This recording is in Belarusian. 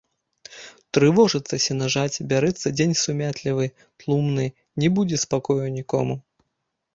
Трывожыцца сенажаць, бярэцца дзень сумятлівы, тлумны, не будзе спакою нікому.